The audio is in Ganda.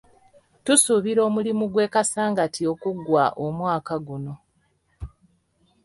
Tusuubira omulimu gw'e Kasangati okuggwa omwaka guno.